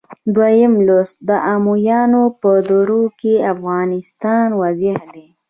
دویم لوست د امویانو په دوره کې د افغانستان وضع ده.